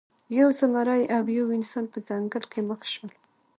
یو زمری او یو انسان په ځنګل کې مخ شول.